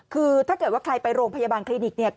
คือถ้าเกิดว่าใครไปโรงพยาบาลคลินิกเนี่ย